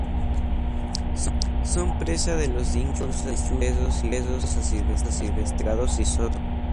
Son presa de los dingos, lechuzas, perros y gatos asilvestrados y zorros.